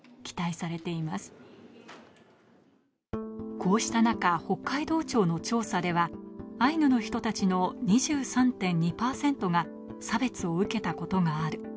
こうした中北海道庁の調査ではアイヌの人たちの２３．２％が「差別を受けたことがある」